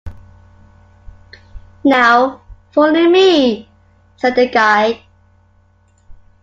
"Now, follow me," said the guide.